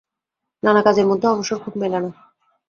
নানা কজের মধ্যে অবসর খুব মেলে না।